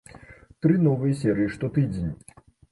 Тры новыя серыі штотыдзень!